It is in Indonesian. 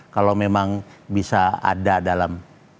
kalau memang bisa ada dalam